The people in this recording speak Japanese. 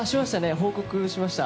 報告しました。